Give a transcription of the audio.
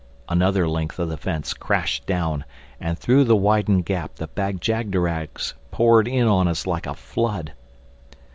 Another length of the fence crashed down, and through the widened gap the Bag jagderags poured in on us like a flood.